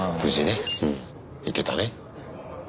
行けたね。